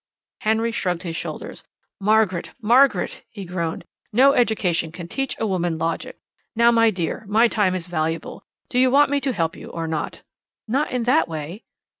Henry shrugged his shoulders. "Margaret! Margaret!" he groaned. "No education can teach a woman logic. Now, my dear, my time is valuable. Do you want me to help you or not?" "Not in that way."